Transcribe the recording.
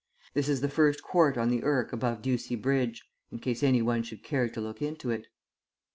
This is the first court on the Irk above Ducie Bridge in case any one should care to look into it.